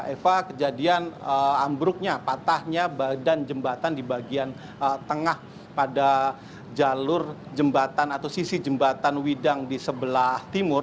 eva kejadian ambruknya patahnya badan jembatan di bagian tengah pada jalur jembatan atau sisi jembatan widang di sebelah timur